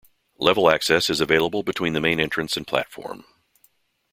Level access is available between the main entrance and platform.